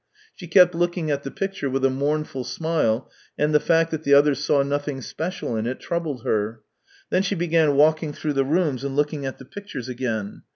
She kept looking at the picture with a mournful smile, and the fact that the others saw nothing special in it troubled her. Then she began walking through the rooms and looking at the pictures again.